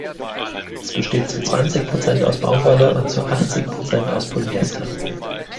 Es besteht zu zwanzig Prozent aus Baumwolle und zu achtzig Prozent aus Polyester.